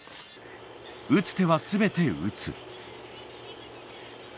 打つ手は全て打つ。